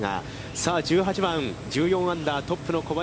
さあ１８番、１４アンダー、トップの小林。